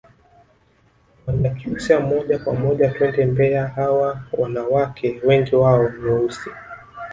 Wanyakyusa moja kwa moja twende mbeya hawa wanawake wengi wao ni weusi